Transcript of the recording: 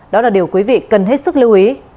đó là điều quý vị cần hết sức lưu ý